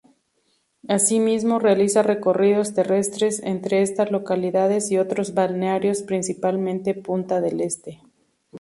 Asimismo, realiza recorridos terrestres entre estas localidades y otros balnearios, principalmente Punta del Este.